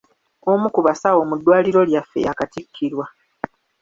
Omu ku basawo mu ddwaliro lyaffe yaakatikkirwa.